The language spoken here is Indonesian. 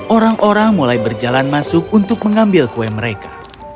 orang orang mulai berjalan masuk untuk mengambil kue mereka